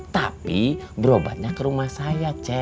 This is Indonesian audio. tapi berobatnya ke rumah saya cek